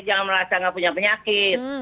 jangan merasa nggak punya penyakit